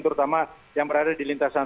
terutama yang berada di jembatan satu duit